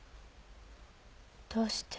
どうして。